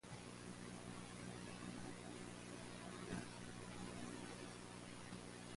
Quality is often added, sometimes replacing cost.